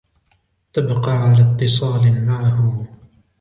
تبقى على اتصال معه.